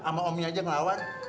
sama omnya aja ngelawan